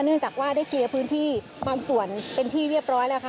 เนื่องจากว่าได้เคลียร์พื้นที่บางส่วนเป็นที่เรียบร้อยแล้วค่ะ